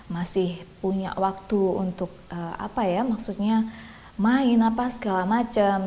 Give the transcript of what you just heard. masih punya waktu untuk apa ya maksudnya main apa segala macem